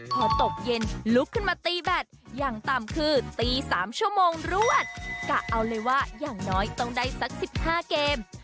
พอตกเย็นลุกขึ้นมาตีแบตอย่างต่ำคือตี๓ชั่วโมงรวดกะเอาเลยว่าอย่างน้อยต้องได้สัก๑๕เกม